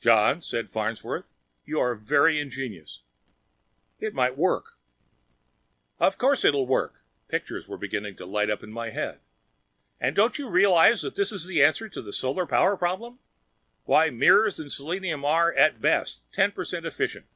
"John," said Farnsworth, "you are very ingenious. It might work." "Of course it'll work." Pictures were beginning to light up in my head. "And don't you realize that this is the answer to the solar power problem? Why, mirrors and selenium are, at best, ten per cent efficient!